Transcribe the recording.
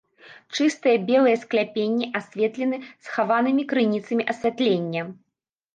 Чыстыя белыя скляпенні асветлены схаванымі крыніцамі асвятлення.